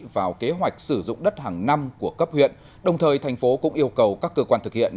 vào kế hoạch sử dụng đất hàng năm của cấp huyện đồng thời thành phố cũng yêu cầu các cơ quan thực hiện